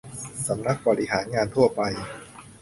สำนักบริหารงานทั่วไป